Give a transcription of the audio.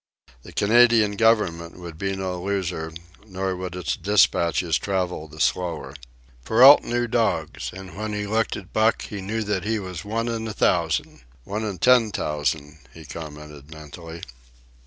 The Canadian Government would be no loser, nor would its despatches travel the slower. Perrault knew dogs, and when he looked at Buck he knew that he was one in a thousand—"One in ten t'ousand," he commented mentally.